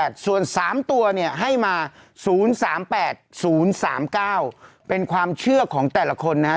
ส่วน๓ตัวเนี่ยให้มา๐๓๘๐๓๙เป็นความเชื่อของแต่ละคนนะฮะ